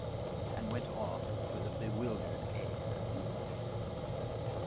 and went off with a bewildered air.